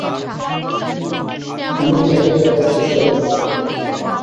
আমি থেকে যাওয়াই ঠিক করলাম।